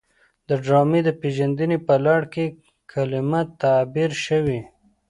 د ډرامې د پیژندنې په لړ کې کلمه تعبیر شوې.